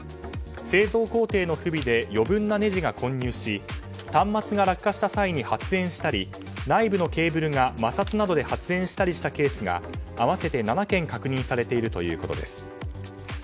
製造工程の不備で余分なねじが混入し端末が落下した際に発煙したり内部のケーブルが摩擦などで発煙したりしたケースが合わせて７件確認されているということです。